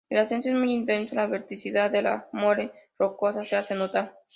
El ascenso es muy intenso; la verticalidad de la mole rocosa se hace notar.